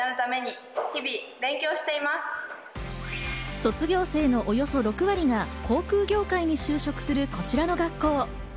卒業生のおよそ６割が航空業界に就職するこちらの学校。